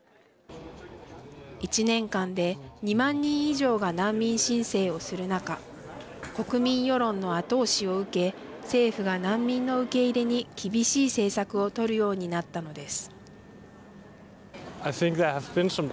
１年間で２万人以上が難民申請をする中国民世論の後押しを受け政府が難民の受け入れに厳しい政策を取るようになったのです。